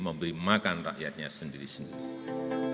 memberi makan rakyatnya sendiri sendiri